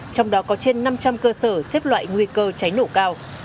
trong đó có trên năm trăm linh cơ sở xếp loại nguy cơ cháy nổ cao